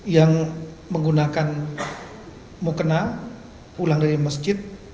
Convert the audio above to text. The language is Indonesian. yang menggunakan mukena pulang dari masjid